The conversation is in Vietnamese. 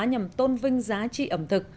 nhằm tôn vinh giá trị ẩm thực